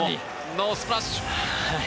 ノースプラッシュ。